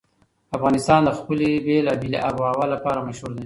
افغانستان د خپلې بېلابېلې آب وهوا لپاره مشهور دی.